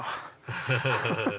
ハハハハ！